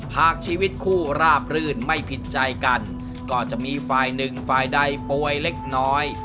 หากชีวิตคู่ราบรื่นไม่ผิดใจกันก็จะมีฝ่ายหนึ่งฝ่ายใดป่วยเล็กน้อย